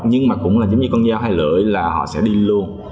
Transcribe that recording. nhưng mà cũng như con dao hay lưỡi là họ sẽ đi luôn